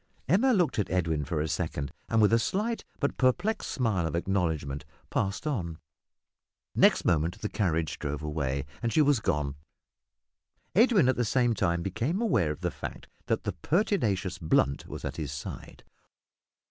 Emma looked at Edwin for a second, and, with a slight but perplexed smile of acknowledgment, passed on. Next moment the carriage drove away, and she was gone. Edwin at the same time became aware of the fact that the pertinacious Blunt was at his side.